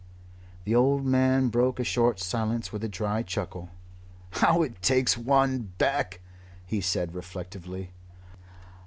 The old man broke a short silence with a dry chuckle. "How it takes one back!" he said reflectively.